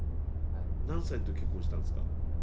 何歳の時結婚したんですか？